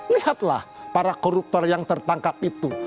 lihatlah para koruptor yang tertangkap itu